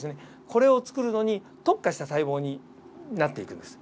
これを作るのに特化した細胞になっていくんです。